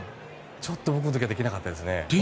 ちょっと僕の時はできなかったですね。